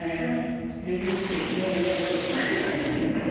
デビューして１年２年じゃちょっと打てない桂馬です。